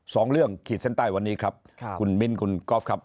สองเรื่องขีดเส้นใต้วันนี้ครับค่ะคุณมิ้นคุณก๊อฟครับ